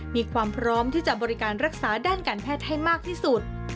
มีความพร้อมที่จะบริการรักษาด้านการแพทย์ให้มากที่สุด